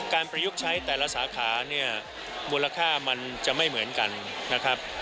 ประยุกต์ใช้แต่ละสาขาเนี่ยมูลค่ามันจะไม่เหมือนกันนะครับ